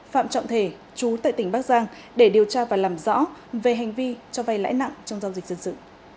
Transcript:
phạm trọng thể chú tại tỉnh bắc giang để điều tra và làm rõ về hành vi cho vay lãi nặng trong giao dịch dân sự